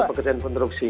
untuk pekerjaan konstruksi